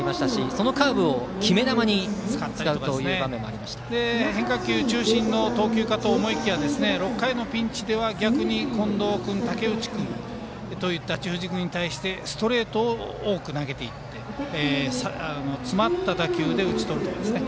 そのカーブを決め球に使う変化球中心の投球かと思いきや６回のピンチでは逆に近藤君と武内君といった中軸に対してストレートを多く投げていって詰まった打球で打ち取ると。